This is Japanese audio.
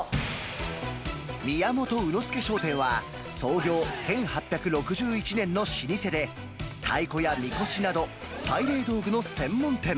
宮本卯之助商店は、創業１８６１年の老舗で、太鼓やみこしなど、祭礼道具の専門店。